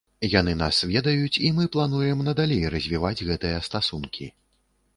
Яны нас ведаюць і мы плануем надалей развіваць гэтыя стасункі.